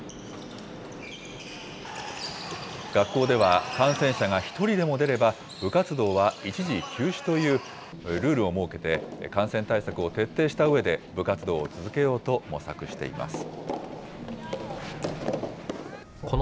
学校では、感染者が１人でも出れば部活動は一時休止というルールを設けて、感染対策を徹底したうえで部活動を続けようと模索しています。